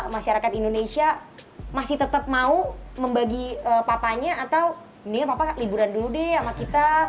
masyarakat indonesia masih tetap mau membagi papanya atau ini papa liburan dulu deh sama kita